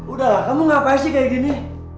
udah lah kamu ngapain sih kayak gini